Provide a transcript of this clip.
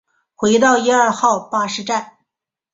回到一二号巴士站